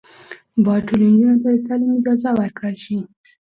باید ټولو نجونو ته د تعلیم اجازه ورکړل شي.